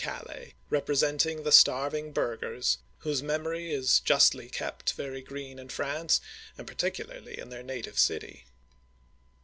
Calais, representing the starving burghers, whose memory is justly kept very green in France, and particularly in their native city.